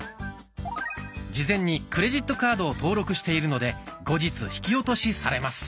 事前にクレジットカードを登録しているので後日引き落としされます。